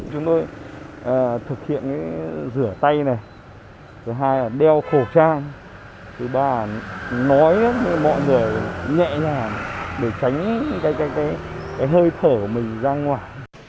chúng tôi thực hiện rửa tay này thứ hai là đeo khẩu trang thứ ba là nói với mọi người nhẹ nhàng để tránh hơi thở mình ra ngoài